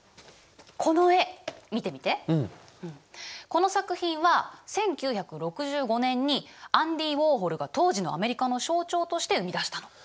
この作品は１９６５年にアンディ・ウォーホルが当時のアメリカの象徴として生み出したの。